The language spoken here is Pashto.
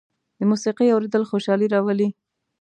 د موسيقۍ اورېدل خوشالي راولي.